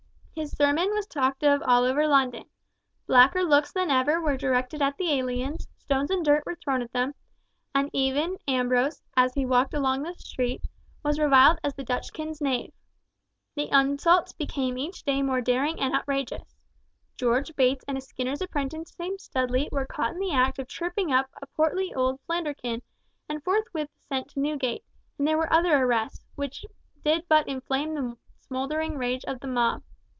His sermon was talked of all over London; blacker looks than ever were directed at the aliens, stones and dirt were thrown at them, and even Ambrose, as he walked along the street, was reviled as the Dutchkin's knave. The insults became each day more daring and outrageous. George Bates and a skinner's apprentice named Studley were caught in the act of tripping up a portly old Flanderkin and forthwith sent to Newgate, and there were other arrests, which did but inflame the smouldering rage of the mob.